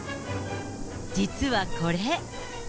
実はこれ。